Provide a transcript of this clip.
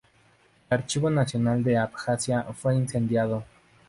El Archivo Nacional de Abjasia fue incendiado.